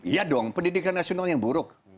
iya dong pendidikan nasional yang buruk